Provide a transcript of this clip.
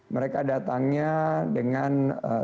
mereka datangnya dengan